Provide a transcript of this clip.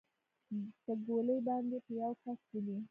په ګولۍ باندې به يو کس ولې.